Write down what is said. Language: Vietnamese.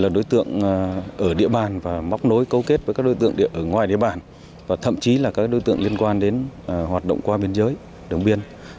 đối tượng ở địa bàn và móc nối cấu kết với các đối tượng ở ngoài địa bàn và thậm chí là các đối tượng liên quan đến hoạt động qua biên giới đường biên